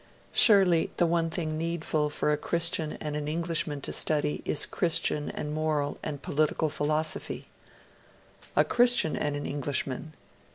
Surely the one thing needful for a Christian and an English man to study is Christian, moral, and political philosophy.' A Christian and an Englishman!